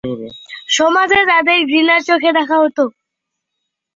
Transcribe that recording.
সমাজে তাদের ঘৃণার চোখে দেখা হতো।